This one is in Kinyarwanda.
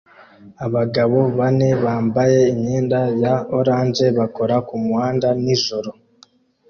Abagabo bane bambaye imyenda ya orange bakora kumuhanda nijoro